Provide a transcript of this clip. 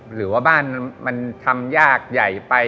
หรือว่าบ้านมันทำยากใหญ่ไป